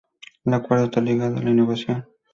La cuarta está ligada a la innovación.